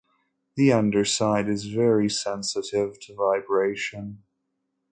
The underside is very sensitive to vibration.